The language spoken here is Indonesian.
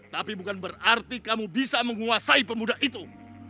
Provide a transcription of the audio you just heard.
tapi bukan berarti kamu bisa menguasai pemuda itu